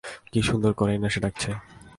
কী সুন্দর করেই না সে ডাকছে!